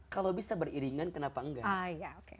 kalau bisa beriringan kenapa enggak